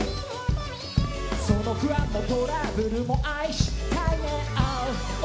「その不安もトラブルも愛したいね」